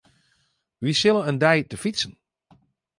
Wy sille in dei te fytsen.